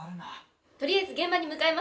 とりあえず現場に向かいます。